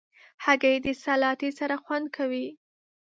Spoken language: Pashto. هګۍ د سلاتې سره خوند کوي.